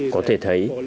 có thể thấy